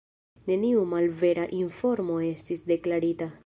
Neniu malvera informo estis deklarita.